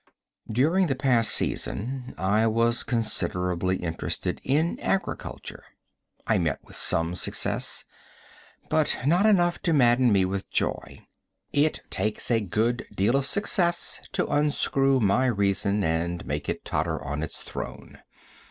During the past season I was considerably interested in agriculture. I met with some success, but not enough to madden me with joy. It takes a good deal of success to unscrew my reason and make it totter on its throne.